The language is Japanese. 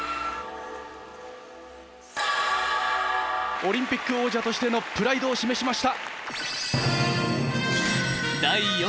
オリンピック王者としてのプライドを示しました。